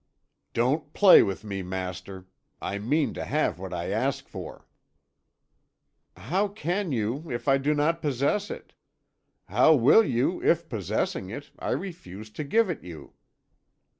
"Don't play with me, master. I mean to have what I ask for." "How can you, if I do not possess it? How will you if, possessing it, I refuse to give it you?"